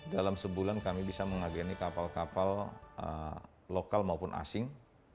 dalam sebulan kami bisa mengageni kapal kapal lokal maupun asing